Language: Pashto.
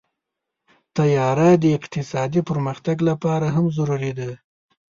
طیاره د اقتصادي پرمختګ لپاره هم ضروري ده.